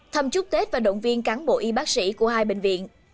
thăm chúc tết và động viên cán bộ y bác sĩ của hai bệnh viện